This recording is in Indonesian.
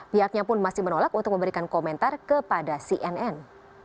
pihaknya pun masih menolak untuk memberikan komentar kepada cnn